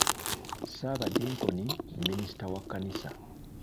Ssabadinkoni minisita wa kkanisa.